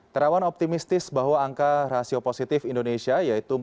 terawan optimistis bahwa angka rasio positif indonesia yaitu